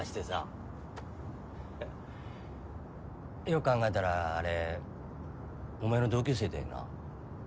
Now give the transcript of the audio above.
よく考えたらあれお前の同級生だよな。